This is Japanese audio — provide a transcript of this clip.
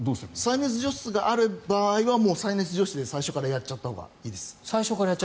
再熱除湿がある場合は最初から再熱除湿でやっちゃったほうがいいです。